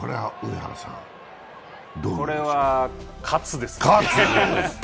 これは喝ですね。